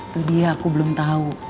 itu dia aku belum tahu